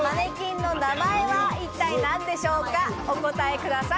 お答えください。